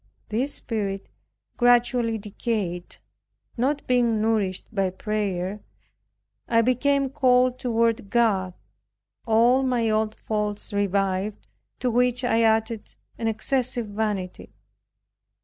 This spirit gradually decayed, not being nourished by prayer. I became cold toward God. All my old faults revived to which I added an excessive vanity.